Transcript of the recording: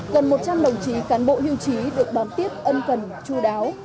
gần một trăm linh đồng chí cán bộ hưu trí được đón tiếp ân cần chú đáo